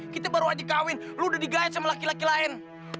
kita baru aja kawin lu udah di guide sama laki laki lain